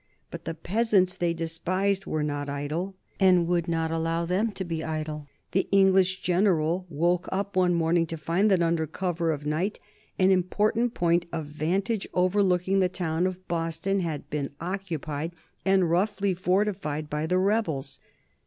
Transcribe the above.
But the peasants they despised were not idle and would not allow them to be idle. The English general woke up one morning to find that under cover of night an important point of vantage overlooking the town of Boston had been occupied and roughly fortified by the rebels.